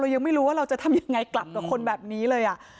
ยังไม่รู้ว่าเราจะทำยังไงกลับกับคนแบบนี้เลย